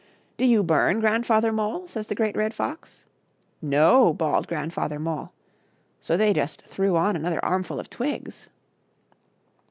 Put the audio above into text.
" Do you bum. Grandfather Mole ?" says the Great Red Fox. " No !" bawled Grandfather Mole. So they just threw on another arm ful of twigs.